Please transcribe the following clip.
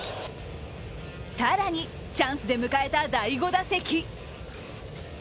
更に、チャンスで迎えた第５打席。